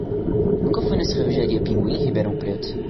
Nunca fui na cervejaria Pinguim em Ribeirão Preto.